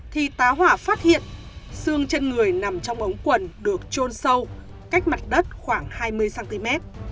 thì tá hỏa phát hiện xương trên người nằm trong ống quần được trôn sâu cách mặt đất khoảng hai mươi cm